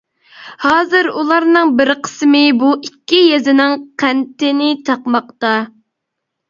ھازىر ئۇلارنىڭ بىر قىسمى بۇ ئىككى يېزىنىڭ قەنتىنى چاقماقتا.